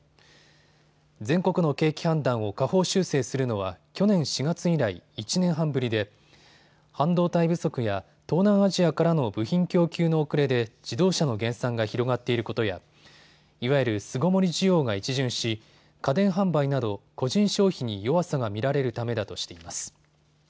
全国の景気判断を下方修正するのは去年４月以来、１年半ぶりで半導体不足や東南アジアからの部品供給の遅れで自動車の減産が広がっていることやいわゆる巣ごもり需要が一巡し家電販売など個人消費に弱さが見られるためだとしています。